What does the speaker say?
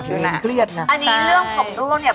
สุดท้าย